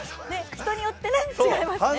人によって違いますね。